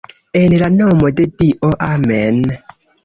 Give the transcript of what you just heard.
En la nomo de Dio, Amen'.